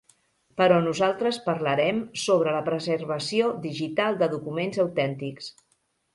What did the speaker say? Però nosaltres parlarem sobre la preservació digital de documents autèntics.